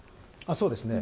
そうですね。